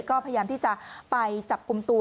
ก็พยายามที่จะไปจับกลุ่มตัว